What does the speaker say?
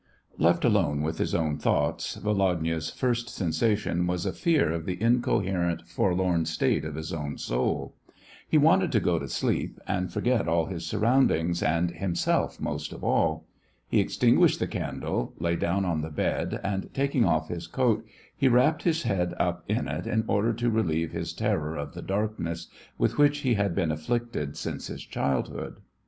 Left alone with his own thoughts, Volodya's first sensation was a fear of the incoherent, for lorn state of his own soul. He wanted to go to sleep, and forget all his surroundings, and himself most of all. He extinguished the candle, lay down on the bed, and, taking off his coat, he wrapped his head up in it, in order to relieve his terror of the darkness, with which he had been afflicted since his childhood.